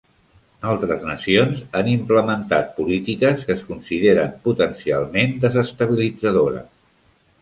Altres nacions han implementat polítiques que es consideren potencialment desestabilitzadores.